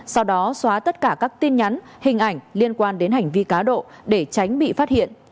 sau đó xóa tất cả các tin nhắn hình ảnh liên quan đến hành vi cá độ để tránh bị phát hiện